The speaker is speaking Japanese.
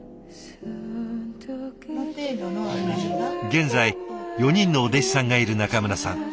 現在４人のお弟子さんがいる中村さん。